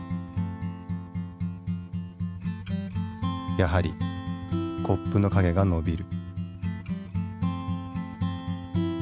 やはりコップの影が伸びる。